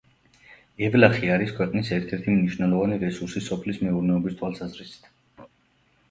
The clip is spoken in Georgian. ევლახი არის ქვეყნის ერთ-ერთი მნიშვნელოვანი რესურსი სოფლის მეურნეობის თვალსაზრისით.